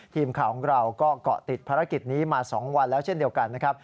ทีมข่าวของเราก็เกาะติดภารกิจนี้มา๒วันแล้วเช่นเดียวกันนะครับ